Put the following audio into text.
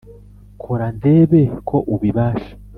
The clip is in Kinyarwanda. Kora ndebe ko ubibasha